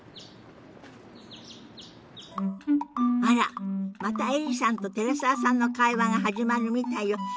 あらまたエリさんと寺澤さんの会話が始まるみたいよ。